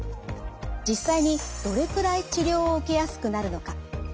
実際にどれくらい治療を受けやすくなるのか。